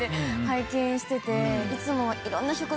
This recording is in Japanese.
いつも。